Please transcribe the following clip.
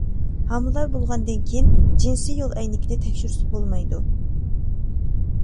ھامىلىدار بولغاندىن كېيىن جىنسىي يول ئەينىكىدە تەكشۈرتسە بولمايدۇ.